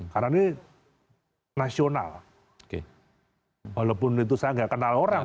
karena ini nasional walaupun itu saya tidak kenal orang